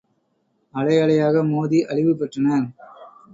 அலை அலையாக மோதி அழிவு பெற்றனர்.